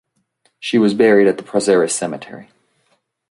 She was buried at the Prazeres Cemetery.